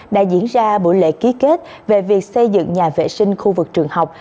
đã diễn ra buổi lễ ký kết về việc xây dựng nhà vệ sinh khu vực trường học